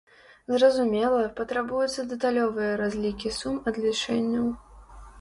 Зразумела, патрабуюцца дэталёвыя разлікі сум адлічэнняў.